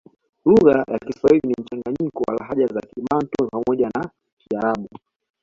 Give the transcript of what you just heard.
Lugha ya Kiswahili ni mchanganyiko wa lahaja za kibantu pamoja na kiarabu